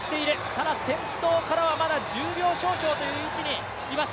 ただ先頭からはまだ１０秒少々という位置にいます。